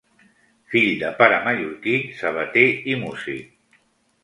Fill de pare mallorquí sabater i músic.